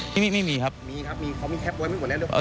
มีมีมีครับ